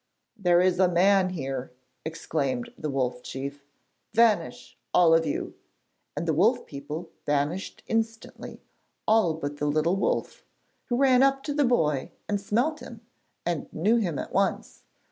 'There is a man here,' exclaimed the Wolf Chief. 'Vanish all of you!' and the wolf people vanished instantly, all but the little wolf, who ran up to the boy and smelt him and knew him at once.